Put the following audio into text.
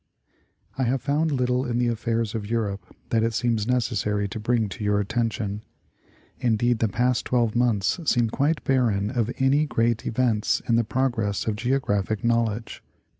I have found little in the affairs of Europe that it seems neces sary to bring to your attention ; indeed, the past twelve months seem quite barren of any great events in the progress of Geo graphic knowledge.